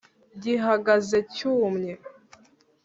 gihagaze cyumye.